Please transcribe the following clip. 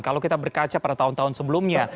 kalau kita berkaca pada tahun tahun sebelumnya